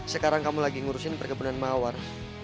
sekarang kamu lagi ngurusin perkebunan mawar